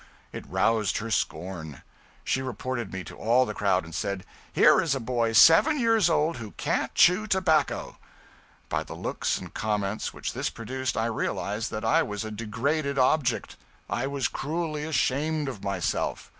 It roused her scorn. She reported me to all the crowd, and said "Here is a boy seven years old who can't chaw tobacco." By the looks and comments which this produced, I realized that I was a degraded object; I was cruelly ashamed of myself.